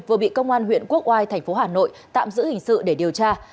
vừa bị công an huyện quốc oai thành phố hà nội tạm giữ hình sự để điều tra